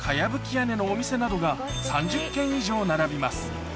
屋根のお店などが３０軒以上並びます